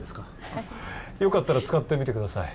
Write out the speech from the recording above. はいよかったら使ってみてください